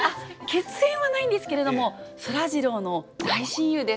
血縁はないんですけれどもそらジローの大親友です。